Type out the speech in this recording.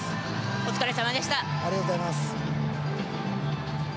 お疲れさまでした。